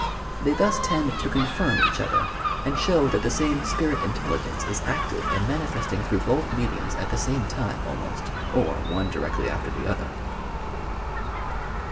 They thus tend to confirm each other and show that the same spirit intelligence is active and manifesting through both mediums at the same time, almost, — or one directly after the other.